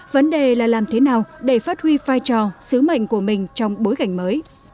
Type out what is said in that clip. vấn đề là làm thế nào để phát huy vai trò sứ mệnh của mình trong bối cảnh mới